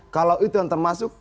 kalau itu yang termasuk